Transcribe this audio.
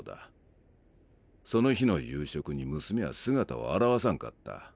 その日の夕食に娘は姿を現さんかった。